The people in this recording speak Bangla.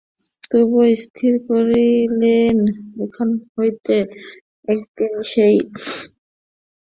তবুও স্থির করিলেন, এখান হইতে একদিন সেই কারাগারের অভিমুখে পলাইতে হইবে।